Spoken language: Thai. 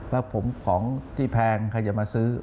แล้วผมของที่แพงใครจะมาซื้อ